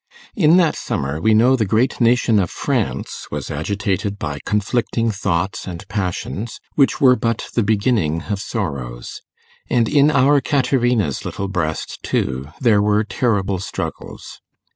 In that summer, we know, the great nation of France was agitated by conflicting thoughts and passions, which were but the beginning of sorrows. And in our Caterina's little breast, too, there were terrible struggles.